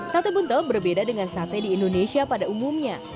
sate buntel berbeda dengan sate di indonesia pada umumnya